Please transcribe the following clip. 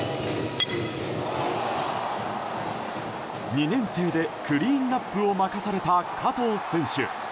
２年生でクリーンアップを任された加藤選手。